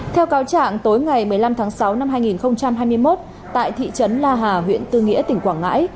theo cáo trạng tối ngày một mươi năm tháng sáu năm hai nghìn hai mươi một tại thị trấn la hà huyện tư nghĩa tỉnh quảng ngãi